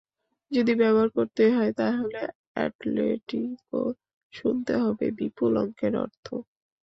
যদি ব্যবহার করতেই হয়, তাহলে অ্যাটলেটিকো গুনতে হবে বিপুল অঙ্কের অর্থ।